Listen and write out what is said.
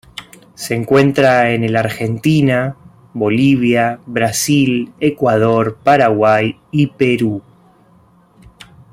Se encuentra en el Argentina, Bolivia, Brasil, Ecuador, Paraguay y Perú.